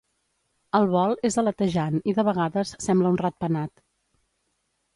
El vol és aletejant i de vegades sembla un ratpenat.